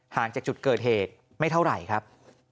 จากจุดเกิดเหตุไม่เท่าไหร่ครับ